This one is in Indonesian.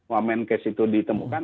moment kes itu ditemukan